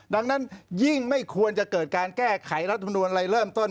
ดังนั้นยิ่งไม่ควรจะเกิดการแก้ไขรัฐมนูลอะไรเริ่มต้น